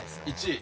１位。